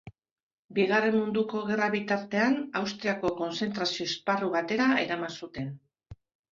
Bigarren Mundu Gerra bitartean, Austriako kontzentrazio-esparru batera eraman zuten.